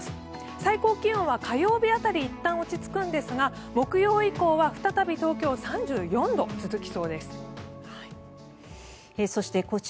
最高気温は火曜日辺りでいったん落ち着くんですが木曜以降は再び東京は３４度が続きそうです。